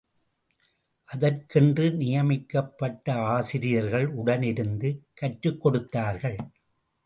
அதற்கென்று நியமிக்கப்பட்ட ஆசிரியர்கள் உடன் இருந்து கற்றுக் கொடுத்தார்கள்.